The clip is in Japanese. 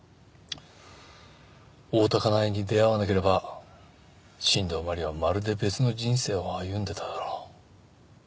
大多香苗に出会わなければ新道真理はまるで別の人生を歩んでいただろう。